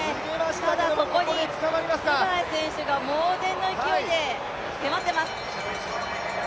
ただ、そこにツェガイ選手が猛然の勢いで迫っています。